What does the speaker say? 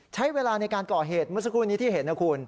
ใช้เวลาในการก่อเหตุเมื่อสักครู่นี้ที่เห็นนะคุณ